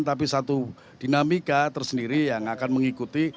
tapi satu dinamika tersendiri yang akan mengikuti